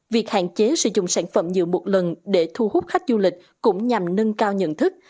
việc hạn chế sử dụng sản phẩm nhựa một lần để thu hút khách du lịch cũng nhằm nâng cao nhận thức